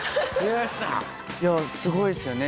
いやすごいですよね。